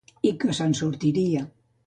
I que se'n sortiria.